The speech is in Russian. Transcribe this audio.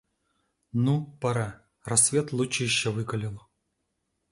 Ну, пора: рассвет лучища выкалил.